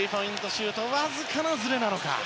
シュートわずかな、ずれなのか。